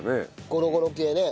ゴロゴロ系ね。